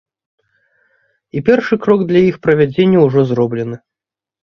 І першы крок для іх правядзення ўжо зроблены.